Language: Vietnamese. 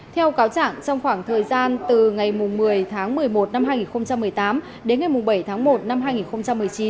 theo cáo trạng trong khoảng thời gian từ ngày một mươi tháng một mươi một năm hai nghìn một mươi tám đến ngày bảy tháng một năm hai nghìn một mươi chín